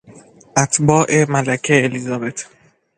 اتباع ملکه الیزابت